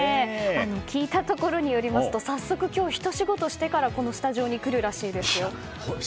聞いたところによりますと早速、今日ひと仕事してからこのスタジオに来るらしいですよ。